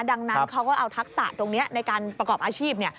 ดังนั้นเขาก็เอาทักษะทุกอย่างในการประกอบอาชีพ